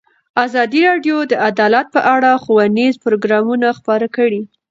ازادي راډیو د عدالت په اړه ښوونیز پروګرامونه خپاره کړي.